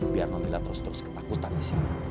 biar membela terus terus ketakutan di sini